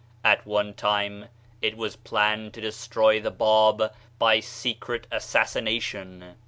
At one time it was planned to destroy the Bab by secret assassination.